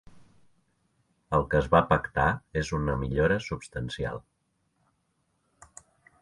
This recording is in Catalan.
El que es va pactar és una millora substancial.